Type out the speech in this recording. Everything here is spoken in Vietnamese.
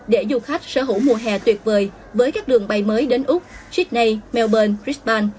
để du khách sở hữu mùa hè tuyệt vời với các đường bay mới đến úc sydney melbourne frisban